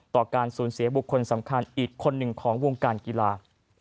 การสูญเสียบุคคลสำคัญอีกคนหนึ่งของวงการกีฬา